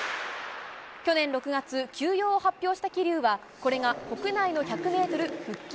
去年６月、休養を発表した桐生は、これが国内の１００メートル復帰